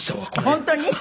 本当に？